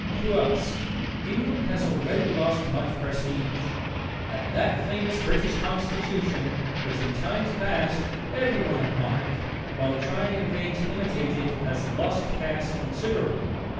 Through us, England has already lost much prestige, and that famous British Constitution, which in times past everyone admired while trying in vain to imitate it, has lost caste considerably.